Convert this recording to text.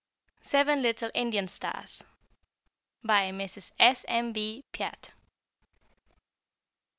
SEVEN LITTLE INDIAN STARS. BY MRS. S. M. B. PIATT.